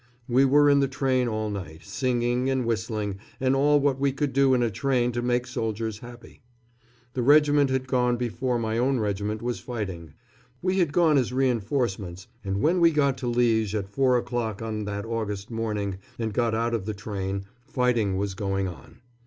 We were in the train all night, singing and whistling, and all what we can do in a train to make soldiers happy. The regiment that had gone before my own regiment was fighting. We had gone as reinforcements, and when we got to Liège at four o'clock on that August morning and got out of the train, fighting was going on.